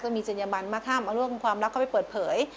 มีจัญญบันมาห้ามเอาเรื่องความรักเข้าไปเปิดเผย